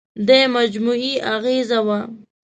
دې مجموعې اغېزه وه.